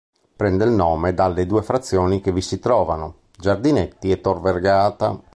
Prende il nome dalle due frazioni che vi si trovano: Giardinetti e Tor Vergata.